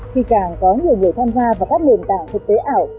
thì càng có nhiều người tham gia vào các nền tảng thực tế ảo